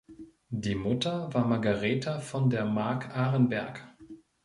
Die Mutter war Margaretha von der Marck-Arenberg.